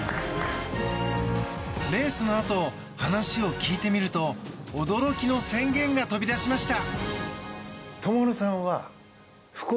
レースのあと、話を聞いてみると驚きの宣言が飛び出しました。